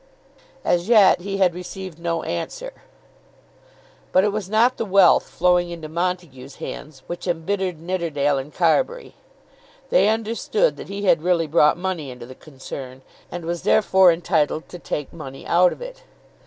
As yet he had received no answer. But it was not the wealth flowing into Montague's hands which embittered Nidderdale and Carbury. They understood that he had really brought money into the concern, and was therefore entitled to take money out of it.